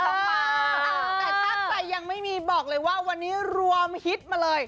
แต่ถ้าใครยังไม่มีบอกเลยว่าวันนี้รวมฮิตมาเลย